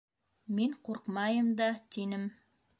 - Мин ҡурҡмайым да, - тинем.